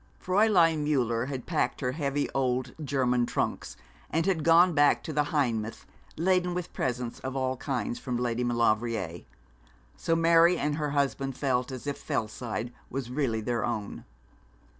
Fräulein Müller had packed her heavy old German trunks, and had gone back to the Heimath, laden with presents of all kinds from Lady Maulevrier; so Mary and her husband felt as if Fellside was really their own.